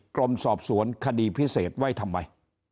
กรมสอบสวนคดีพิเศษไว้ทำไม